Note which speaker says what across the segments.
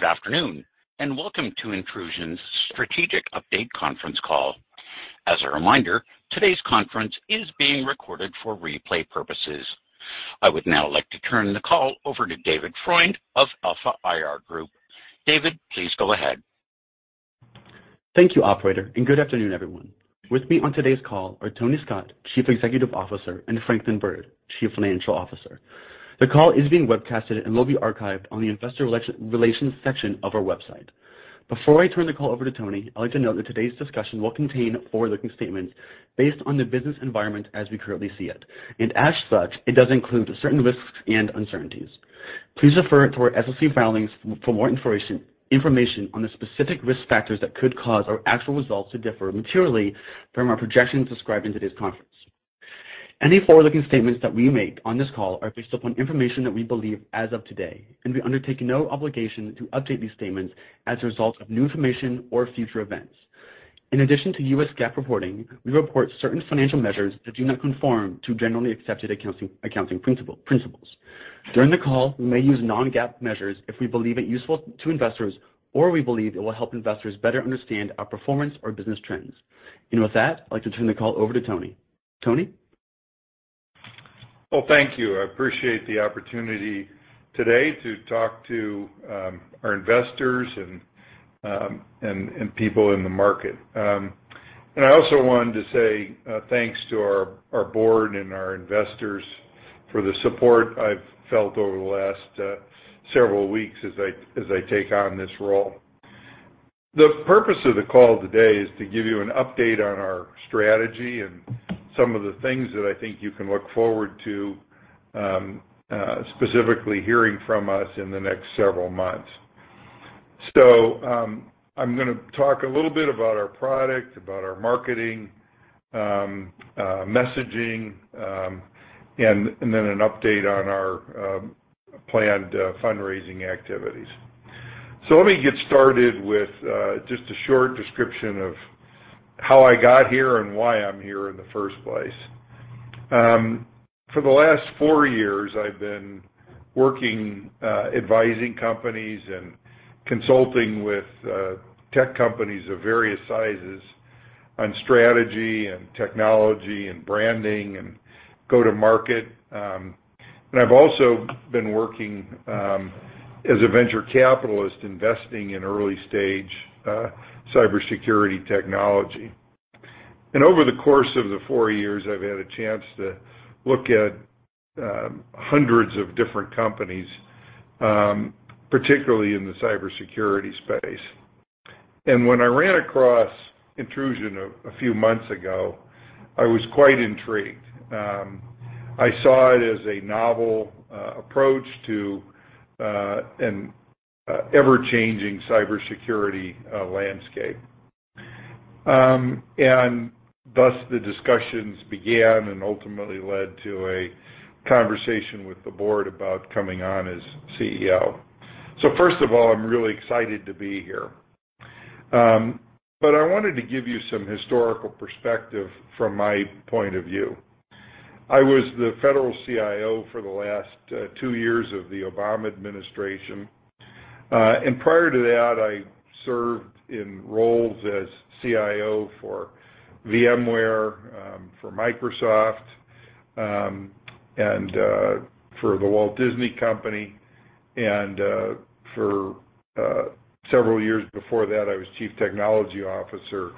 Speaker 1: Good afternoon, and welcome to Intrusion's Strategic Update Conference Call. As a reminder, today's conference is being recorded for replay purposes. I would now like to turn the call over to David Freund of Alpha IR Group. David, please go ahead.
Speaker 2: Thank you, operator, and good afternoon, everyone. With me on today's call are Tony Scott, Chief Executive Officer, and Franklin Byrd, Chief Financial Officer. The call is being webcast and will be archived on the investor relations section of our website. Before I turn the call over to Tony, I'd like to note that today's discussion will contain forward-looking statements based on the business environment as we currently see it, and as such, it does include certain risks and uncertainties. Please refer to our SEC filings for more information on the specific risk factors that could cause our actual results to differ materially from our projections described in today's conference. Any forward-looking statements that we make on this call are based upon information that we believe as of today, and we undertake no obligation to update these statements as a result of new information or future events. In addition to US GAAP reporting, we report certain financial measures that do not conform to generally accepted accounting principles. During the call, we may use non-GAAP measures if we believe it useful to investors or we believe it will help investors better understand our performance or business trends. With that, I'd like to turn the call over to Tony. Tony?
Speaker 3: Well, thank you. I appreciate the opportunity today to talk to our investors and people in the market. I also wanted to say thanks to our board and our investors for the support I've felt over the last several weeks as I take on this role. The purpose of the call today is to give you an update on our strategy and some of the things that I think you can look forward to specifically hearing from us in the next several months. I'm gonna talk a little bit about our product, about our marketing, messaging, and then an update on our planned fundraising activities. Let me get started with just a short description of how I got here and why I'm here in the first place. For the last four years, I've been working, advising companies and consulting with tech companies of various sizes on strategy and technology and branding and go-to-market. I've also been working as a venture capitalist investing in early stage cybersecurity technology. Over the course of the four years, I've had a chance to look at hundreds of different companies, particularly in the cybersecurity space. When I ran across Intrusion a few months ago, I was quite intrigued. I saw it as a novel approach to an ever-changing cybersecurity landscape. Thus the discussions began and ultimately led to a conversation with the board about coming on as CEO. First of all, I'm really excited to be here. I wanted to give you some historical perspective from my point of view. I was the Federal CIO for the last two years of the Obama administration. Prior to that, I served in roles as CIO for VMware, for Microsoft, and for The Walt Disney Company. Several years before that, I was Chief Technology Officer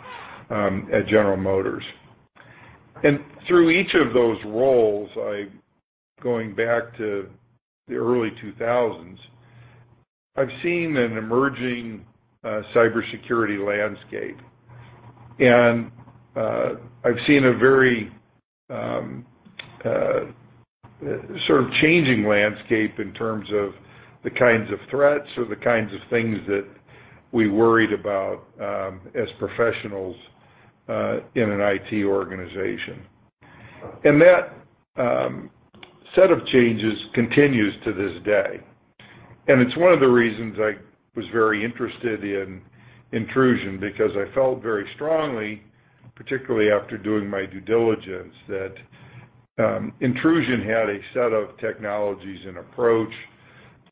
Speaker 3: at General Motors. Through each of those roles, going back to the early 2000s, I've seen an emerging cybersecurity landscape. I've seen a very sort of changing landscape in terms of the kinds of threats or the kinds of things that we worried about as professionals in an IT organization. That set of changes continues to this day. It's one of the reasons I was very interested in Intrusion because I felt very strongly, particularly after doing my due diligence, that Intrusion had a set of technologies and approach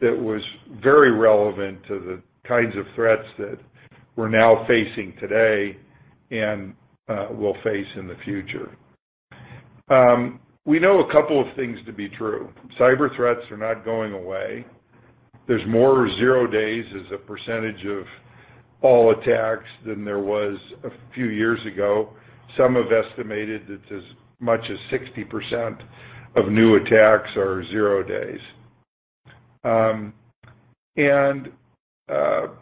Speaker 3: that was very relevant to the kinds of threats that we're now facing today and will face in the future. We know a couple of things to be true. Cyber threats are not going away. There's more zero days as a percentage of all attacks than there was a few years ago. Some have estimated that as much as 60% of new attacks are zero days.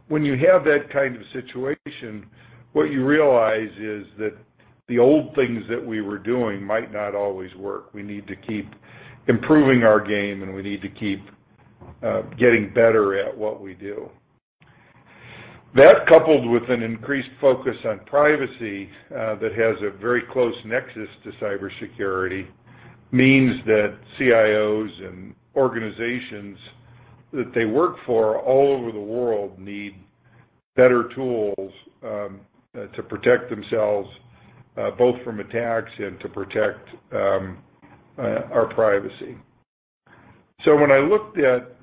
Speaker 3: When you have that kind of situation, what you realize is that the old things that we were doing might not always work. We need to keep improving our game, and we need to keep getting better at what we do. That, coupled with an increased focus on privacy that has a very close nexus to cybersecurity, means that CIOs and organizations that they work for all over the world need better tools to protect themselves both from attacks and to protect our privacy. When I looked at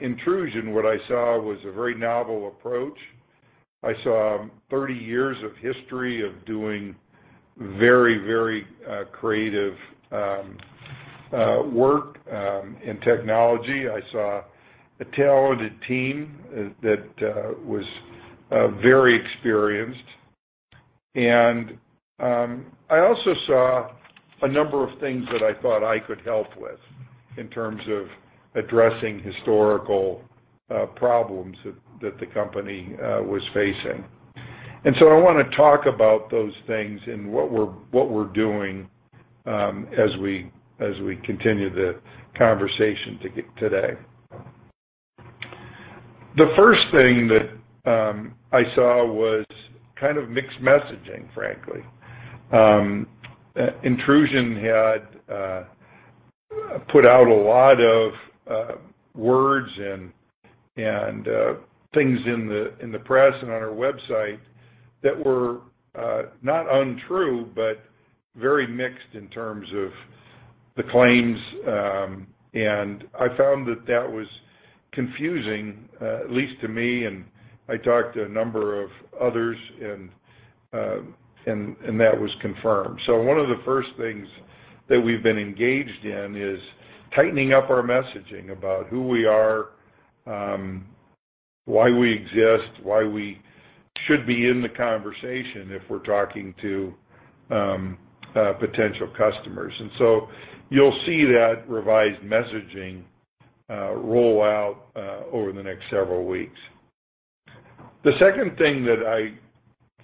Speaker 3: Intrusion, what I saw was a very novel approach. I saw 30 years of history of doing very creative work in technology. I saw a talented team that was very experienced. I also saw a number of things that I thought I could help with in terms of addressing historical problems that the company was facing. I want to talk about those things and what we're doing as we continue the conversation today. The first thing that I saw was kind of mixed messaging, frankly. Intrusion had put out a lot of words and things in the press and on our website that were not untrue, but very mixed in terms of the claims. I found that was confusing, at least to me, and I talked to a number of others and that was confirmed. One of the first things that we've been engaged in is tightening up our messaging about who we are, why we exist, why we should be in the conversation if we're talking to potential customers. You'll see that revised messaging roll out over the next several weeks. The second thing that I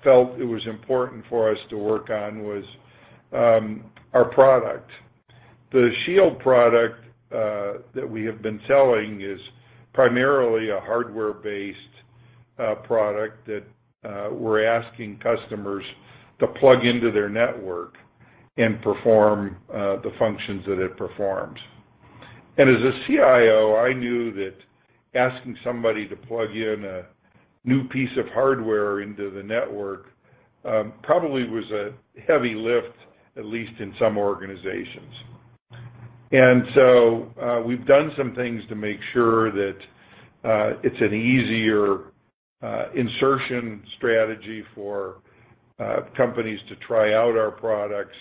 Speaker 3: felt it was important for us to work on was our product. The Shield product that we have been selling is primarily a hardware-based product that we're asking customers to plug into their network and perform the functions that it performs. As a CIO, I knew that asking somebody to plug in a new piece of hardware into the network probably was a heavy lift, at least in some organizations. We've done some things to make sure that it's an easier insertion strategy for companies to try out our products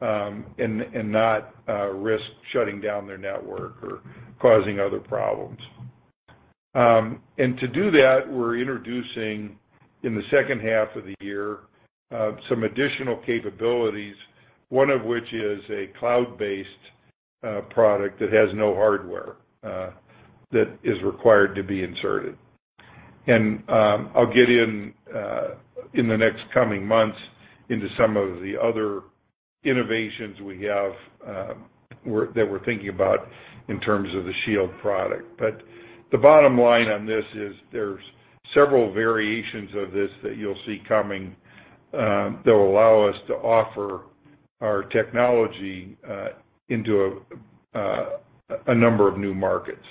Speaker 3: and not risk shutting down their network or causing other problems. To do that, we're introducing, in the second half of the year, some additional capabilities, one of which is a cloud-based product that has no hardware that is required to be inserted. I'll get in the next coming months into some of the other innovations we have that we're thinking about in terms of the Shield product. The bottom line on this is there's several variations of this that you'll see coming that will allow us to offer our technology into a number of new markets.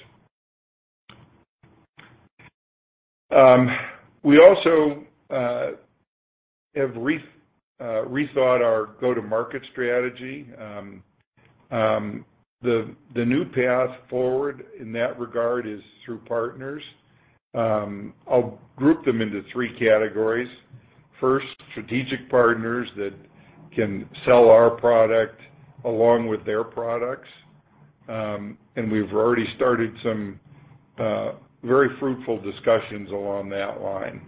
Speaker 3: We also have rethought our go-to-market strategy. The new path forward in that regard is through partners. I'll group them into three categories. First, strategic partners that can sell our product along with their products. We've already started some very fruitful discussions along that line.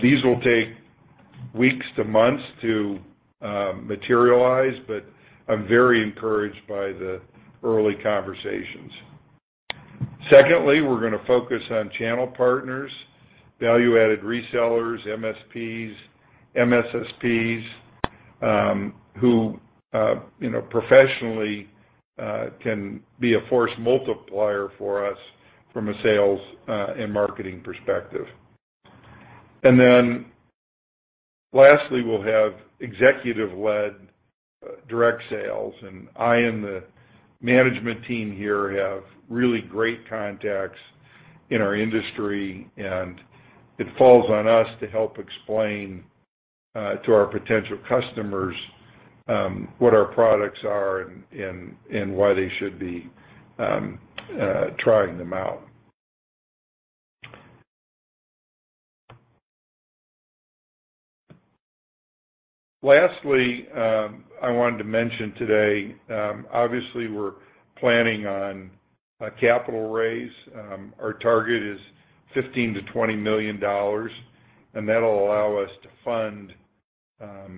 Speaker 3: These will take weeks to months to materialize, but I'm very encouraged by the early conversations. Secondly, we're gonna focus on channel partners, value-added resellers, MSPs, MSSPs, who you know, professionally, can be a force multiplier for us from a sales and marketing perspective. Then lastly, we'll have executive-led direct sales. I and the management team here have really great contacts in our industry, and it falls on us to help explain to our potential customers what our products are and why they should be trying them out. Lastly, I wanted to mention today, obviously we're planning on a capital raise. Our target is $15 million-$20 million, and that'll allow us to fund our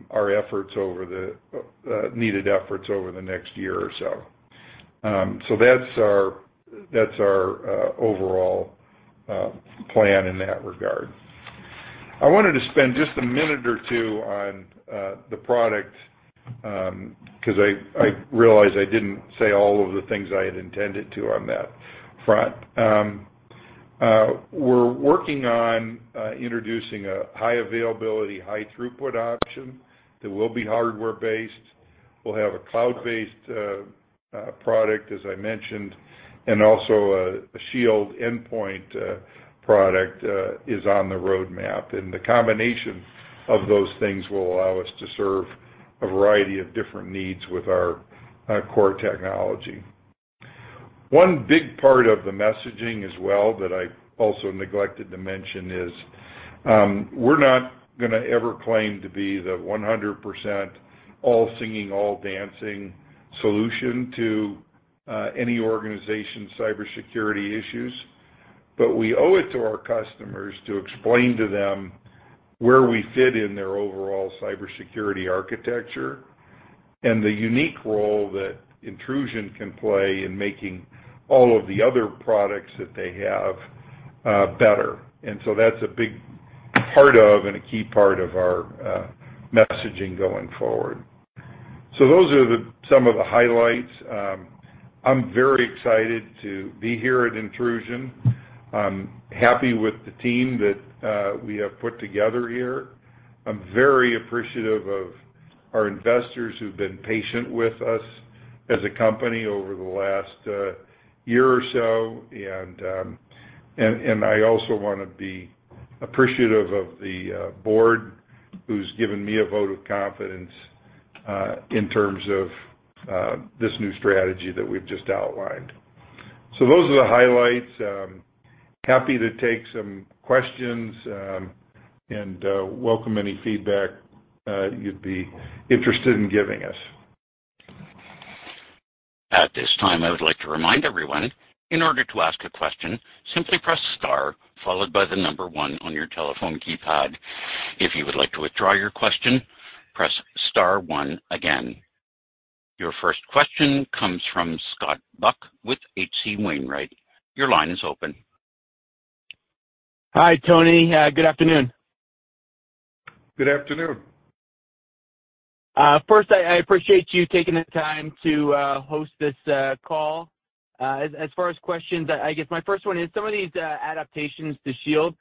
Speaker 3: needed efforts over the next year or so. That's our overall plan in that regard. I wanted to spend just a minute or two on the product because I realize I didn't say all of the things I had intended to on that front. We're working on introducing a high availability, high throughput option that will be hardware-based. We'll have a cloud-based product, as I mentioned, and also a Shield Endpoint product is on the roadmap. The combination of those things will allow us to serve a variety of different needs with our core technology. One big part of the messaging as well that I also neglected to mention is, we're not gonna ever claim to be the 100% all singing, all dancing solution to any organization's cybersecurity issues. We owe it to our customers to explain to them where we fit in their overall cybersecurity architecture and the unique role that Intrusion can play in making all of the other products that they have better. That's a big part of and a key part of our messaging going forward. Those are some of the highlights. I'm very excited to be here at Intrusion. I'm happy with the team that we have put together here. I'm very appreciative of our investors who've been patient with us as a company over the last year or so. I also wanna be appreciative of the board who's given me a vote of confidence in terms of this new strategy that we've just outlined. Those are the highlights. Happy to take some questions and welcome any feedback you'd be interested in giving us.
Speaker 1: At this time, I would like to remind everyone, in order to ask a question, simply press star followed by the number one on your telephone keypad. If you would like to withdraw your question, press star one again. Your first question comes from Scott Buck with H.C. Wainwright. Your line is open.
Speaker 4: Hi, Tony. Good afternoon.
Speaker 3: Good afternoon.
Speaker 4: First, I appreciate you taking the time to host this call. As far as questions, I guess my first one is some of these adaptations to Shield,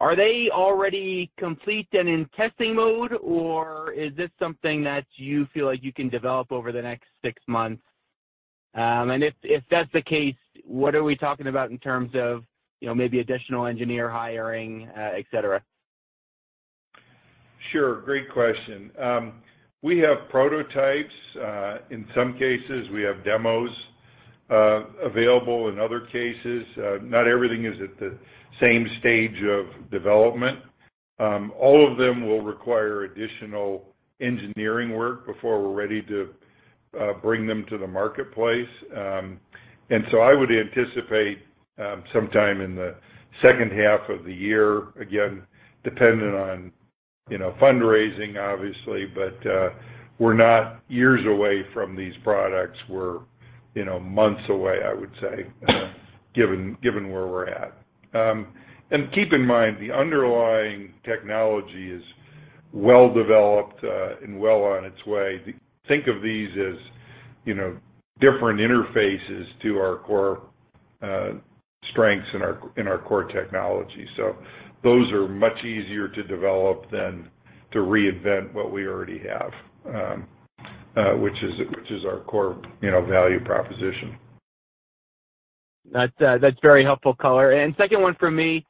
Speaker 4: are they already complete and in testing mode, or is this something that you feel like you can develop over the next six months? If that's the case, what are we talking about in terms of, you know, maybe additional engineer hiring, et cetera?
Speaker 3: Sure. Great question. We have prototypes. In some cases we have demos available, in other cases, not everything is at the same stage of development. All of them will require additional engineering work before we're ready to bring them to the marketplace. I would anticipate sometime in the second half of the year, again, dependent on, you know, fundraising obviously, but we're not years away from these products. We're, you know, months away, I would say, given where we're at. Keep in mind, the underlying technology is well developed, and well on its way. Think of these as, you know, different interfaces to our core strengths and our core technology. Those are much easier to develop than to reinvent what we already have, which is our core, you know, value proposition.
Speaker 4: That's very helpful color. Second one from me,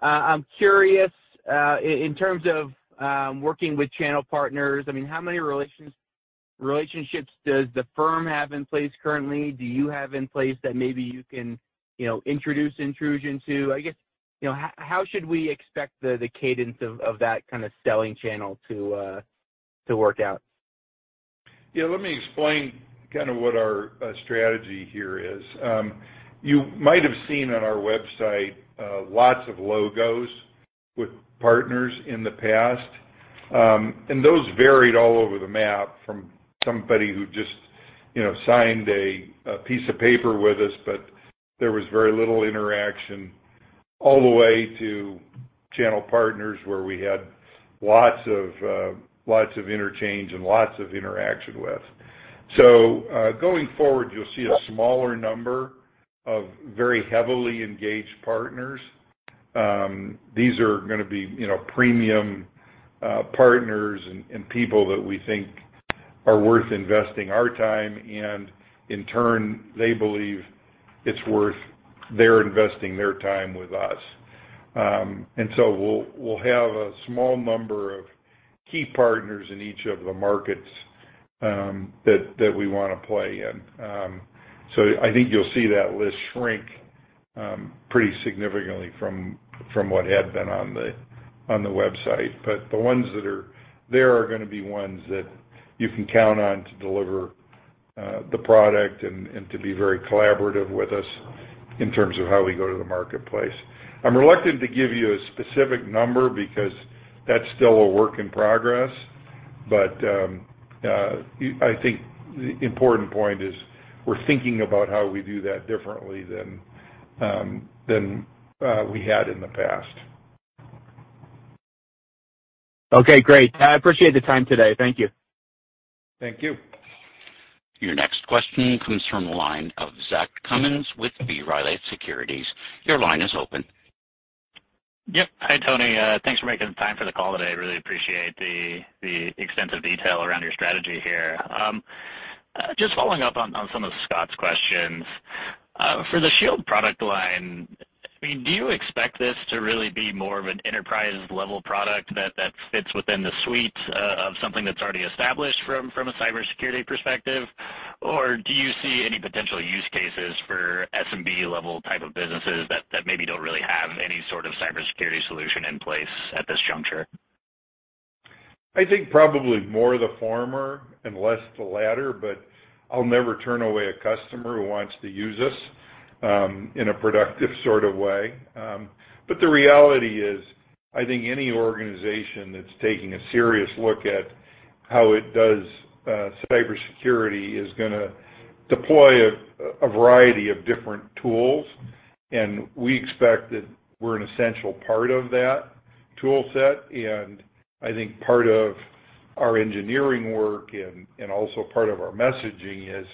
Speaker 4: I'm curious in terms of working with channel partners, I mean, how many relationships does the firm have in place currently? Do you have in place that maybe you can, you know, introduce Intrusion to? I guess, you know, how should we expect the cadence of that kinda selling channel to work out?
Speaker 3: Yeah, let me explain kinda what our strategy here is. You might have seen on our website lots of logos with partners in the past. Those varied all over the map from somebody who just, you know, signed a piece of paper with us, but there was very little interaction, all the way to channel partners where we had lots of interchange and lots of interaction with. Going forward, you'll see a smaller number of very heavily engaged partners. These are gonna be, you know, premium partners and people that we think are worth investing our time, and in turn, they believe it's worth their investing their time with us. We'll have a small number of key partners in each of the markets that we wanna play in. I think you'll see that list shrink pretty significantly from what had been on the website. The ones that are there are gonna be ones that you can count on to deliver the product and to be very collaborative with us in terms of how we go to the marketplace. I'm reluctant to give you a specific number because that's still a work in progress. I think the important point is we're thinking about how we do that differently than we had in the past.
Speaker 4: Okay, great. I appreciate the time today. Thank you.
Speaker 3: Thank you.
Speaker 1: Your next question comes from the line of Zach Cummins with B. Riley Securities. Your line is open.
Speaker 5: Yep. Hi, Tony. Thanks for making the time for the call today. Really appreciate the extensive detail around your strategy here. Just following up on some of Scott's questions. For the Shield product line, I mean, do you expect this to really be more of an enterprise-level product that fits within the suite of something that's already established from a cybersecurity perspective? Or do you see any potential use cases for SMB-level type of businesses that maybe don't really have any sort of cybersecurity solution in place at this juncture?
Speaker 3: I think probably more the former and less the latter, but I'll never turn away a customer who wants to use us in a productive sort of way. The reality is, I think any organization that's taking a serious look at how it does cybersecurity is gonna deploy a variety of different tools, and we expect that we're an essential part of that tool set. I think part of our engineering work and also part of our messaging is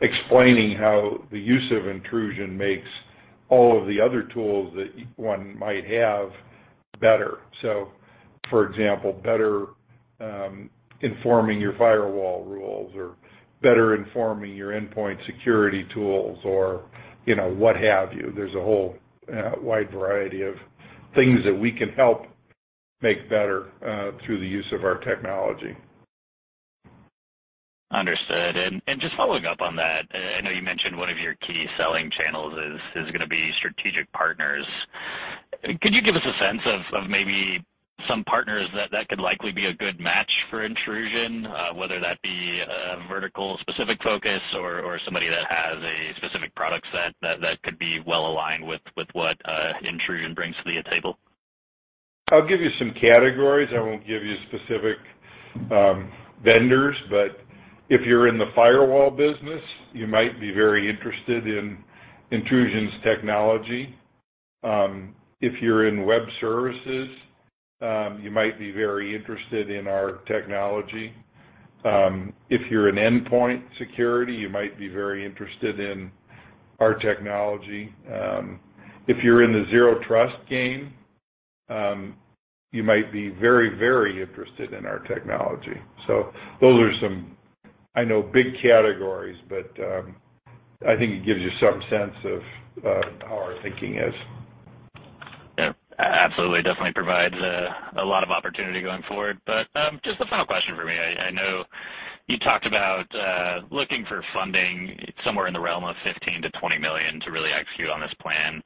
Speaker 3: explaining how the use of Intrusion makes all of the other tools that one might have better. For example, better informing your firewall rules or better informing your endpoint security tools or, you know, what have you. There's a whole wide variety of things that we can help make better through the use of our technology.
Speaker 5: Understood. Just following up on that, I know you mentioned one of your key selling channels is gonna be strategic partners. Could you give us a sense of maybe some partners that could likely be a good match for Intrusion, whether that be a vertical specific focus or somebody that has a specific product set that could be well aligned with what Intrusion brings to the table?
Speaker 3: I'll give you some categories. I won't give you specific vendors. If you're in the firewall business, you might be very interested in Intrusion's technology. If you're in web services, you might be very interested in our technology. If you're in endpoint security, you might be very interested in our technology. If you're in the zero trust game, you might be very, very interested in our technology. Those are some you know big categories, but I think it gives you some sense of how our thinking is.
Speaker 5: Yeah, absolutely. Definitely provides a lot of opportunity going forward. Just a final question for me. I know you talked about looking for funding somewhere in the realm of $15 million-$20 million to really execute on this plan.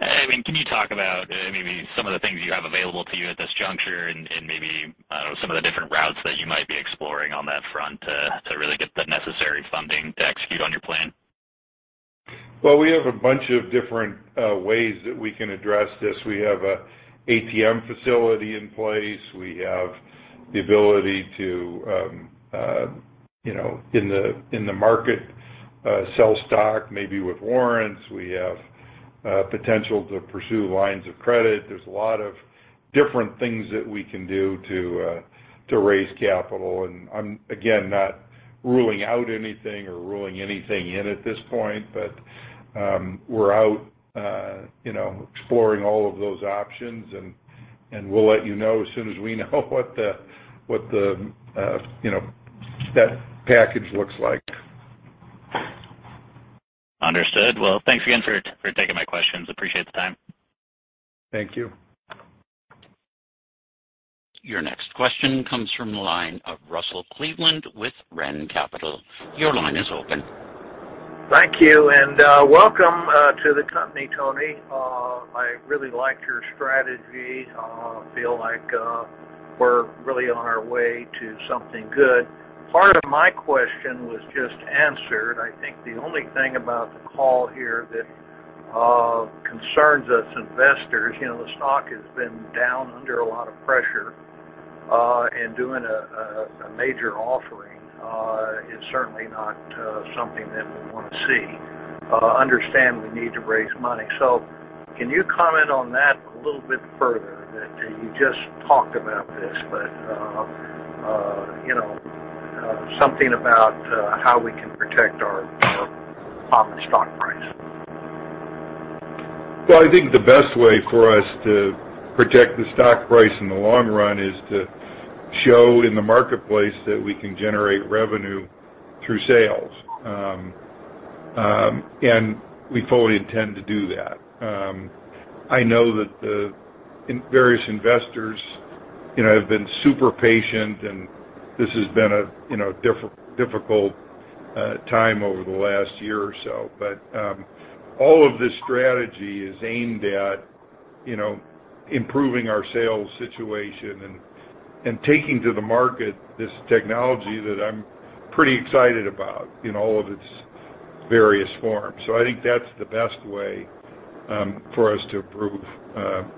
Speaker 5: I mean, can you talk about maybe some of the things you have available to you at this juncture and maybe, I don't know, some of the different routes that you might be exploring on that front to really get the necessary funding to execute on your plan?
Speaker 3: Well, we have a bunch of different ways that we can address this. We have an ATM facility in place. We have the ability to, you know, in the market sell stock, maybe with warrants. We have potential to pursue lines of credit. There's a lot of different things that we can do to raise capital, and I'm again not ruling out anything or ruling anything in at this point. We're out, you know, exploring all of those options and we'll let you know as soon as we know what the, you know, that package looks like.
Speaker 5: Understood. Well, thanks again for taking my questions. Appreciate the time.
Speaker 3: Thank you.
Speaker 1: Your next question comes from the line of Russell Cleveland with RENN Capital. Your line is open.
Speaker 6: Thank you. Welcome to the company, Tony. I really like your strategy. I feel like we're really on our way to something good. Part of my question was just answered. I think the only thing about the call here that concerns us investors, you know, the stock has been down under a lot of pressure, and doing a major offering is certainly not something that we wanna see. I understand the need to raise money. Can you comment on that a little bit further? You just talked about this, but you know, something about how we can protect our common stock price.
Speaker 3: Well, I think the best way for us to protect the stock price in the long run is to show in the marketplace that we can generate revenue through sales. And we fully intend to do that. I know that in various investors, you know, have been super patient, and this has been a, you know, difficult time over the last year or so. All of this strategy is aimed at, you know, improving our sales situation and taking to the market this technology that I'm pretty excited about in all of its various forms. I think that's the best way for us to prove,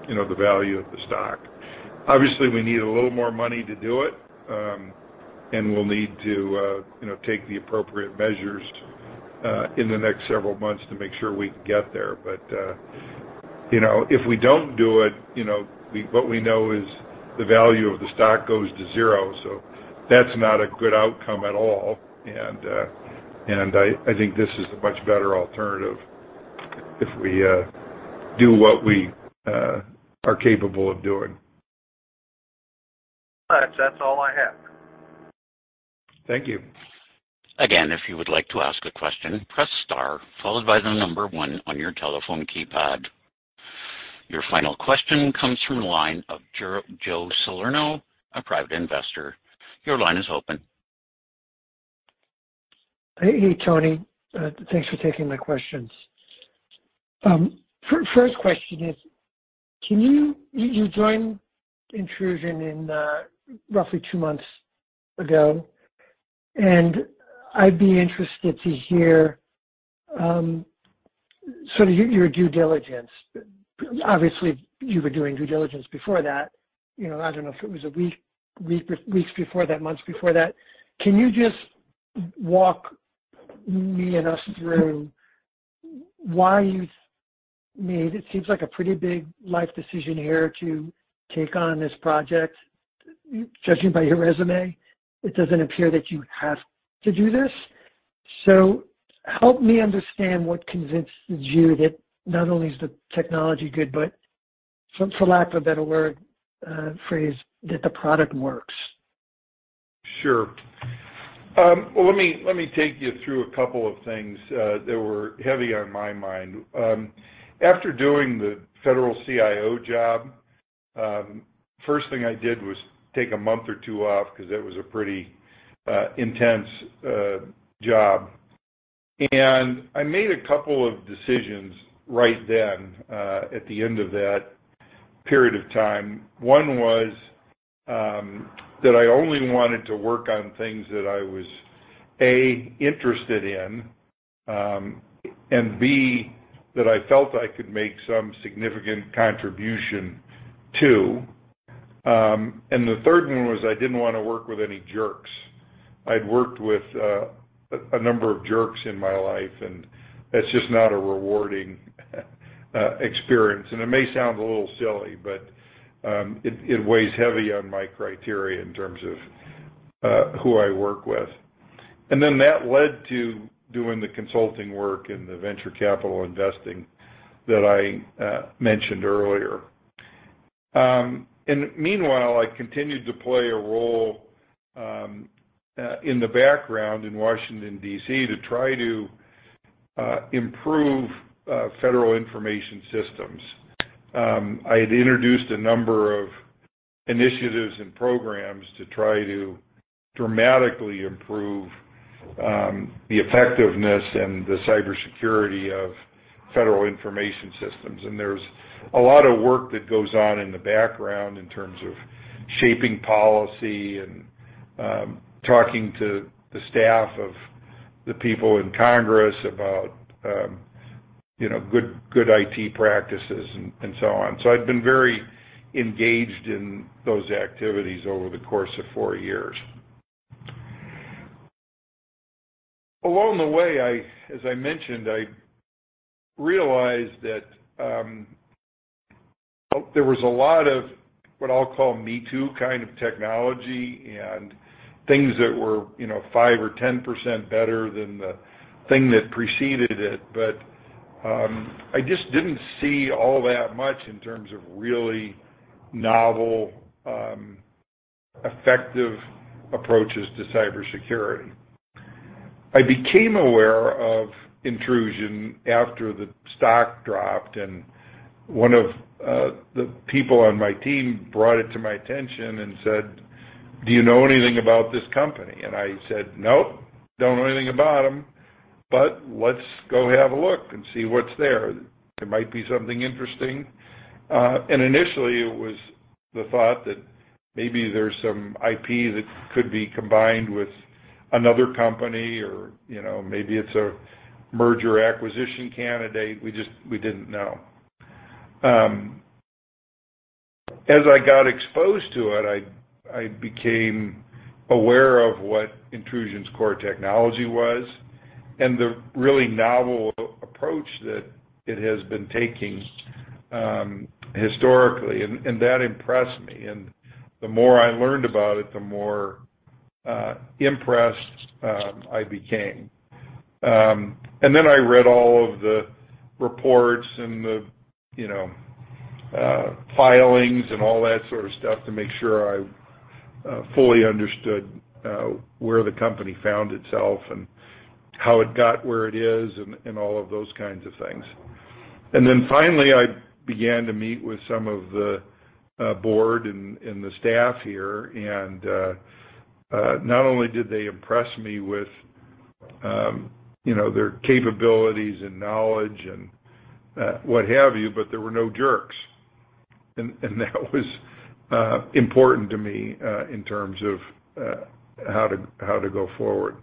Speaker 3: you know, the value of the stock. Obviously, we need a little more money to do it. We'll need to, you know, take the appropriate measures in the next several months to make sure we can get there. You know, if we don't do it, you know, what we know is the value of the stock goes to zero, so that's not a good outcome at all. I think this is a much better alternative if we do what we are capable of doing.
Speaker 6: All right. That's all I have.
Speaker 3: Thank you.
Speaker 1: Again, if you would like to ask a question, press star followed by the number one on your telephone keypad. Your final question comes from the line of [Jerip] Joe Salerno, a private investor. Your line is open.
Speaker 7: Hey, Tony. Thanks for taking my questions. First question is, you joined Intrusion in roughly two months ago, and I'd be interested to hear sort of your due diligence. Obviously, you've been doing due diligence before that. You know, I don't know if it was a week, weeks before that, months before that. Can you just walk me and us through why you made. It seems like a pretty big life decision here to take on this project. Judging by your resume, it doesn't appear that you have to do this. So help me understand what convinces you that not only is the technology good, but for lack of a better word, phrase, that the product works.
Speaker 3: Sure. Well, let me take you through a couple of things that were heavy on my mind. After doing the federal CIO job, first thing I did was take a month or two off because that was a pretty intense job. I made a couple of decisions right then at the end of that period of time. One was that I only wanted to work on things that I was, A, interested in and B, that I felt I could make some significant contribution to. The third one was I didn't wanna work with any jerks. I'd worked with a number of jerks in my life, and that's just not a rewarding experience. It may sound a little silly, but it weighs heavy on my criteria in terms of who I work with. That led to doing the consulting work and the venture capital investing that I mentioned earlier. Meanwhile, I continued to play a role in the background in Washington, D.C., to try to improve federal information systems. I had introduced a number of initiatives and programs to try to dramatically improve the effectiveness and the cybersecurity of federal information systems. There's a lot of work that goes on in the background in terms of shaping policy and talking to the staff of the people in Congress about you know, good IT practices and so on. I've been very engaged in those activities over the course of four years. Along the way, as I mentioned, I realized that there was a lot of what I'll call me-too kind of technology and things that were, you know, 5% or 10% better than the thing that preceded it. I just didn't see all that much in terms of really novel, effective approaches to cybersecurity. I became aware of Intrusion after the stock dropped, and one of the people on my team brought it to my attention and said, "Do you know anything about this company?" I said, "Nope. Don't know anything about them, but let's go have a look and see what's there. There might be something interesting." Initially, it was the thought that maybe there's some IP that could be combined with another company or, you know, maybe it's a merger acquisition candidate. We just didn't know. As I got exposed to it, I became aware of what Intrusion's core technology was and the really novel approach that it has been taking, historically, and that impressed me. The more I learned about it, the more impressed I became. Then I read all of the reports and the, you know, filings and all that sort of stuff to make sure I fully understood where the company found itself and how it got where it is and all of those kinds of things. Then finally, I began to meet with some of the board and the staff here. Not only did they impress me with, you know, their capabilities and knowledge and what have you, but there were no jerks. that was important to me in terms of how to go forward.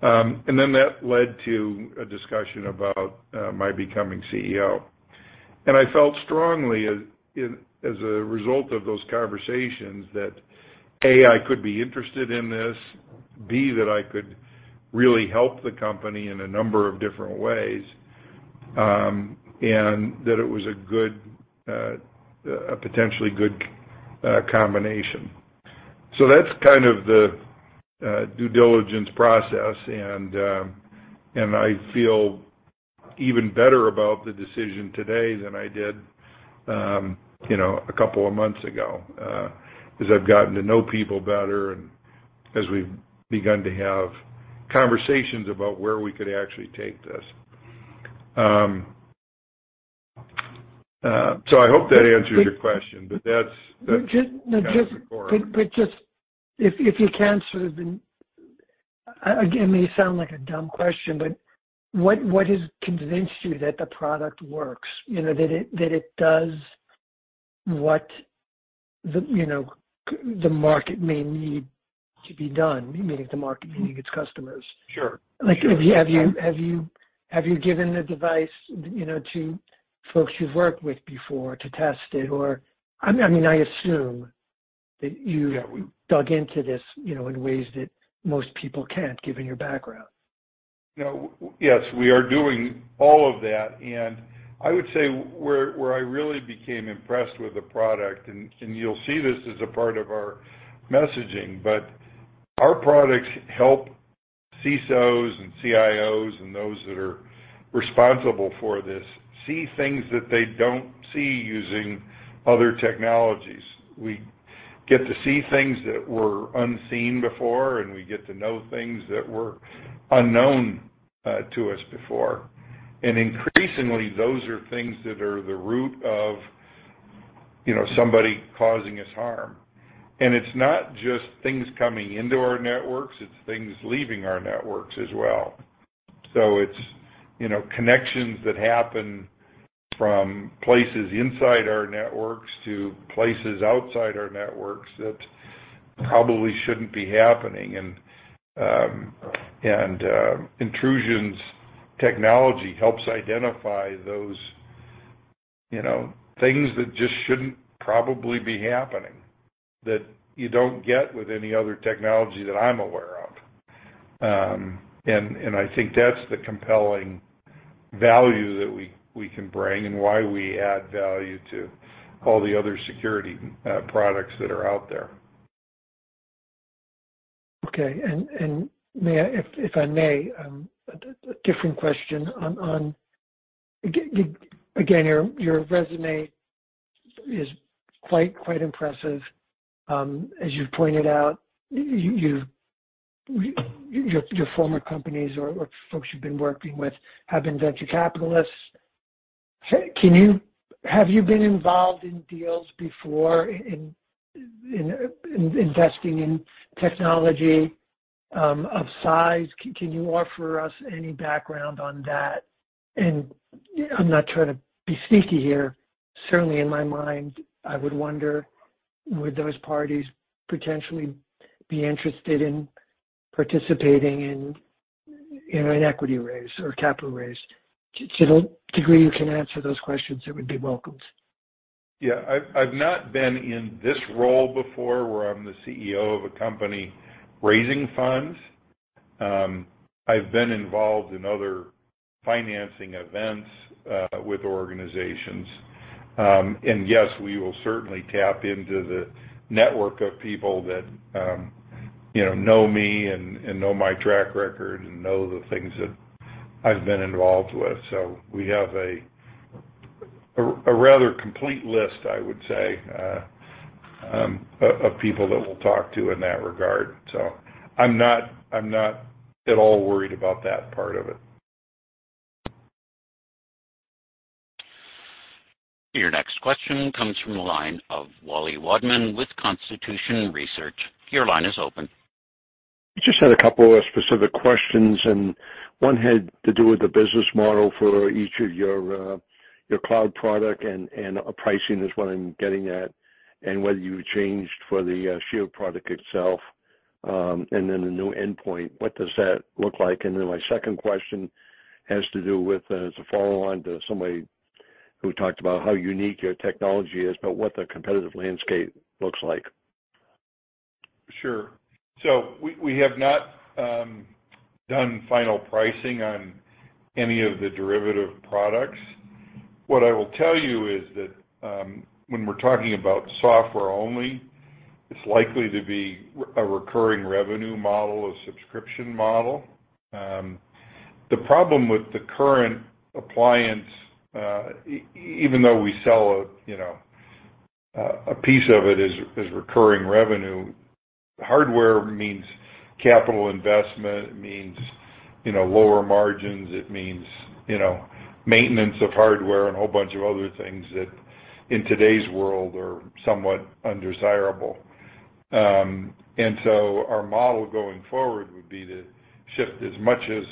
Speaker 3: Then that led to a discussion about my becoming CEO. I felt strongly as a result of those conversations that, A, I could be interested in this, B, that I could really help the company in a number of different ways, and that it was a potentially good combination. That's kind of the due diligence process, and I feel even better about the decision today than I did, you know, a couple of months ago, as I've gotten to know people better and as we've begun to have conversations about where we could actually take this. I hope that answers your question, but that's-
Speaker 7: Just if you can sort of again, it may sound like a dumb question, but what has convinced you that the product works? You know, that it does what the, you know, the market may need to be done, meaning its customers.
Speaker 3: Sure.
Speaker 7: Like, have you given the device, you know, to folks you've worked with before to test it? Or, I mean, I assume that you dug into this, you know, in ways that most people can't, given your background.
Speaker 3: You know, yes, we are doing all of that. I would say where I really became impressed with the product, and you'll see this as a part of our messaging, but our products help CISOs and CIOs and those that are responsible for this see things that they don't see using other technologies. We get to see things that were unseen before, and we get to know things that were unknown to us before. Increasingly, those are things that are the root of, you know, somebody causing us harm. It's not just things coming into our networks, it's things leaving our networks as well. It's, you know, connections that happen from places inside our networks to places outside our networks that probably shouldn't be happening. Intrusion's technology helps identify those, you know, things that just shouldn't probably be happening, that you don't get with any other technology that I'm aware of. I think that's the compelling value that we can bring and why we add value to all the other security products that are out there.
Speaker 7: Okay. May I ask a different question? Again, your resume is quite impressive. As you've pointed out, your former companies or folks you've been working with have been venture capitalists. Have you been involved in deals before in investing in technology of size? Can you offer us any background on that? I'm not trying to be sneaky here. Certainly, in my mind, I would wonder, would those parties potentially be interested in participating in an equity raise or capital raise? To the degree you can answer those questions, it would be welcomed.
Speaker 3: Yeah. I've not been in this role before, where I'm the CEO of a company raising funds. I've been involved in other financing events with organizations. Yes, we will certainly tap into the network of people that you know know me and know my track record and know the things that I've been involved with. We have a rather complete list, I would say, of people that we'll talk to in that regard. I'm not at all worried about that part of it.
Speaker 1: Your next question comes from the line of Wally Wadman with Constitution Research. Your line is open.
Speaker 8: Just had a couple of specific questions, and one had to do with the business model for each of your your cloud product and pricing is what I'm getting at, and what you changed for the Shield product itself, and then the new endpoint. What does that look like? My second question has to do with, as a follow-on to somebody who talked about how unique your technology is, but what the competitive landscape looks like.
Speaker 3: Sure. We have not done final pricing on any of the derivative products. What I will tell you is that, when we're talking about software only, it's likely to be a recurring revenue model, a subscription model. The problem with the current appliance, even though we sell, you know, a piece of it as recurring revenue, hardware means capital investment, it means, you know, lower margins, it means, you know, maintenance of hardware and a whole bunch of other things that in today's world are somewhat undesirable. Our model going forward would be to shift as much as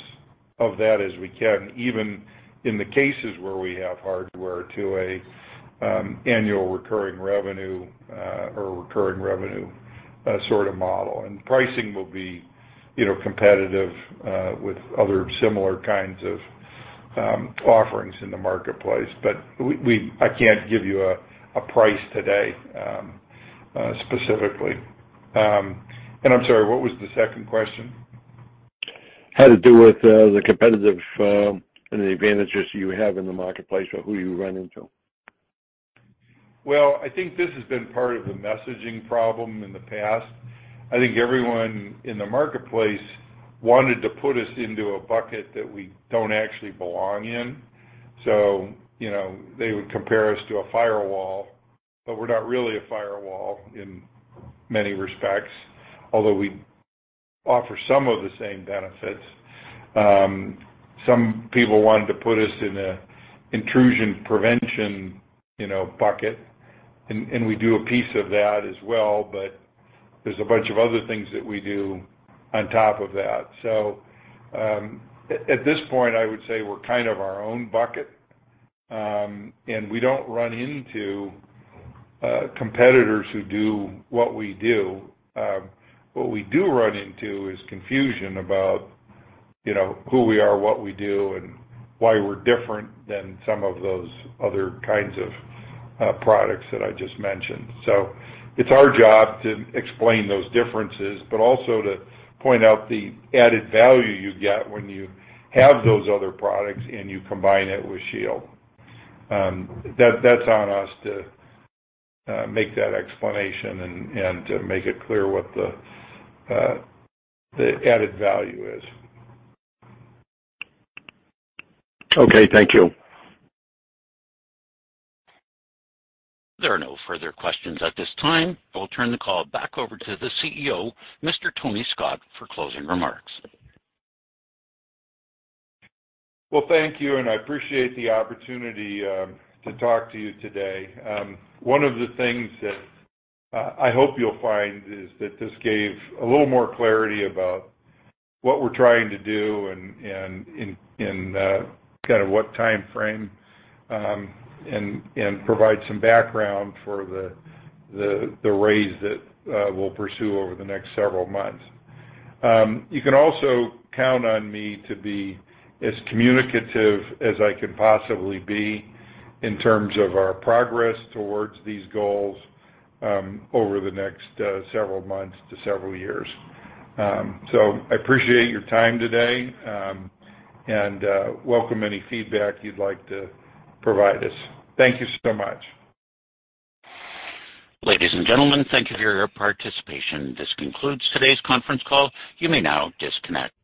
Speaker 3: of that as we can, even in the cases where we have hardware to a annual recurring revenue, or recurring revenue, sort of model. Pricing will be, you know, competitive with other similar kinds of offerings in the marketplace. But I can't give you a price today, specifically. I'm sorry, what was the second question?
Speaker 8: Had to do with the competitive and the advantages you have in the marketplace or who you run into.
Speaker 3: Well, I think this has been part of the messaging problem in the past. I think everyone in the marketplace wanted to put us into a bucket that we don't actually belong in. You know, they would compare us to a firewall, but we're not really a firewall in many respects, although we offer some of the same benefits. Some people wanted to put us in an intrusion prevention, you know, bucket, and we do a piece of that as well, but there's a bunch of other things that we do on top of that. At this point, I would say we're kind of our own bucket. We don't run into competitors who do what we do. What we do run into is confusion about, you know, who we are, what we do, and why we're different than some of those other kinds of products that I just mentioned. It's our job to explain those differences, but also to point out the added value you get when you have those other products and you combine it with Shield. That's on us to make that explanation and to make it clear what the added value is.
Speaker 8: Okay. Thank you.
Speaker 1: There are no further questions at this time. I will turn the call back over to the CEO, Mr. Tony Scott, for closing remarks.
Speaker 3: Well, thank you, and I appreciate the opportunity to talk to you today. One of the things that I hope you'll find is that this gave a little more clarity about what we're trying to do and in kind of what time frame, and provide some background for the raise that we'll pursue over the next several months. You can also count on me to be as communicative as I can possibly be in terms of our progress towards these goals, over the next several months to several years. I appreciate your time today, and welcome any feedback you'd like to provide us. Thank you so much.
Speaker 1: Ladies and gentlemen, thank you for your participation. This concludes today's conference call. You may now disconnect.